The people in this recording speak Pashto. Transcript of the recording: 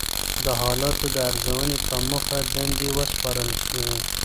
د حالاتو د ارزونې په موخه دندې وسپارل شوې.